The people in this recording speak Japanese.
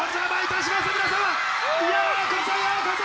ようこそようこそ！